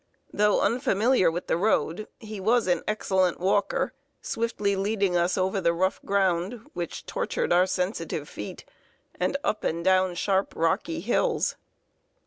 Though unfamiliar with the road, he was an excellent walker, swiftly leading us over the rough ground, which tortured our sensitive feet, and up and down sharp, rocky hills.